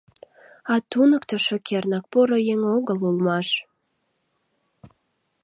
А туныктышо, кернак, поро еҥ огыл улмаш.